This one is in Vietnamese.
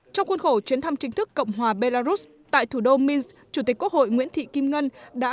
trong khuôn khổ chuyến thăm chính thức cộng hòa belarus tại thủ đô minsk chủ tịch quốc hội nguyễn thị kim ngân đã